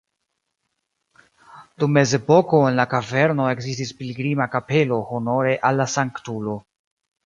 Dum mezepoko en la kaverno ekzistis pilgrima kapelo honore al la sanktulo.